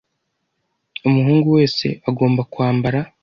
Umuhungu wese agomba kwambara